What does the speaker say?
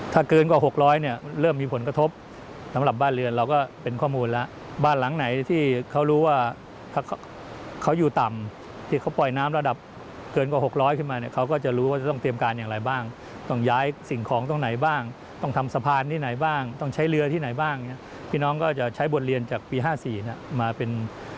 ถ้าเกินกว่า๖๐๐เนี่ยเริ่มมีผลกระทบสำหรับบ้านเรือนเราก็เป็นข้อมูลแล้วบ้านหลังไหนที่เขารู้ว่าเขาอยู่ต่ำที่เขาปล่อยน้ำระดับเกินกว่า๖๐๐ขึ้นมาเนี่ยเขาก็จะรู้ว่าจะต้องเตรียมการอย่างไรบ้างต้องย้ายสิ่งของตรงไหนบ้างต้องทำสะพานที่ไหนบ้างต้องใช้เรือที่ไหนบ้างเนี่ยพี่น้องก็จะใช้บทเรียนจากปี๕๔เนี่ยมาเป็น